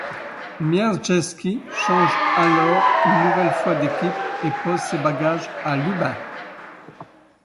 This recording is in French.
Mierzejewski change alors une nouvelle fois d'équipe, et pose ses bagages à Lubin.